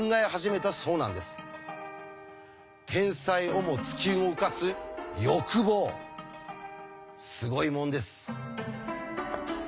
天才をも突き動かす欲望すごいもんです。